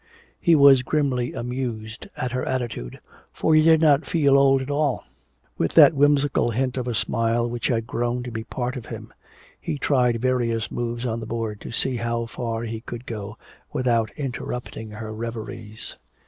He was grimly amused at her attitude, for he did not feel old at all. With that whimsical hint of a smile which had grown to be a part of him, he tried various moves on the board to see how far he could go without interrupting her reveries.